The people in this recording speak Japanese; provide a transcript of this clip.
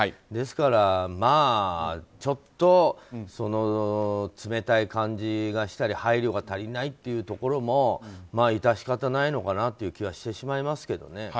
ですから、ちょっと冷たい感じがしたり配慮が足りないというところも致し方ないのかなという気はしてしまいますけどね。